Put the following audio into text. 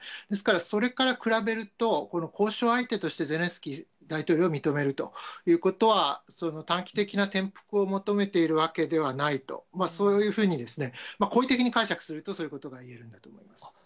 ですから、それから比べると、この交渉相手としてゼレンスキー大統領を認めるということは、短期的な転覆を求めているわけではないと、そういうふうに、好意的に解釈すると、そういうことが言えるんだと思います。